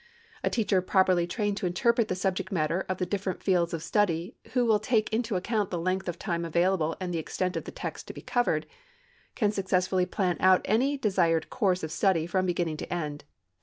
A teacher properly trained to interpret the subject matter of the different fields of study who will take into account the length of time available and the extent of the text to be covered, can successfully plan out any desired course of study from beginning to end.